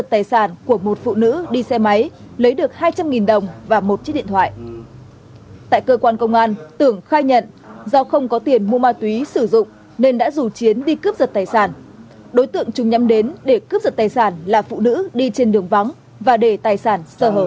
tại cơ quan công an tường khai nhận do không có tiền mua ma túy sử dụng nên đã rủ chiến đi cướp giật tài sản đối tượng chúng nhắm đến để cướp giật tài sản